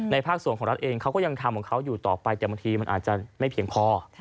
ภาคส่วนของรัฐเองเขาก็ยังทำของเขาอยู่ต่อไปแต่บางทีมันอาจจะไม่เพียงพอ